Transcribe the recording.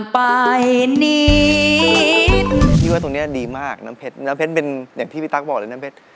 ไปนิดพี่ว่าตรงนี้ดีมากน้ำเพชรน้ำเพชรเป็นอย่างที่พี่ตั๊กบอกเลยน้ำเพชร